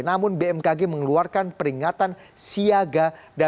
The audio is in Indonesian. namun bmkg mengeluarkan peringatan dini tsunami